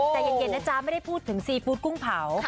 แต่อย่าเย็นนะจ๊ะไม่ได้พูดถึงซีฟู้ดกุ้งเผา